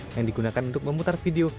yang digunakan untuk memutar video